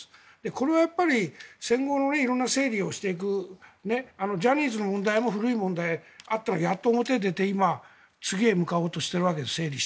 これは戦後の色んな整理をしていくジャニーズの問題も古い問題がやっと表に出てきて今、次へ向かおうとしているわけです。